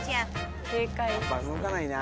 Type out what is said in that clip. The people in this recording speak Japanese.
やっぱ動かないな。